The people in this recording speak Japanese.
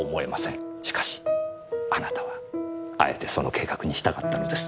しかしあなたはあえてその計画に従ったのです。